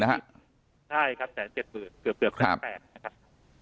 นะฮะใช่ครับแสนเจ็ดหมื่นเกือบเกือบแสนแปดนะครับครับ